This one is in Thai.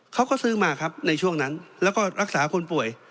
เขาก็ซื้อมาครับในช่วงนั้นแล้วก็รักษาคนป่วย